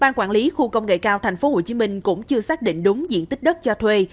ban quản lý khu công nghệ cao thành phố hồ chí minh cũng chưa xác định đúng diện tích đất cho thuê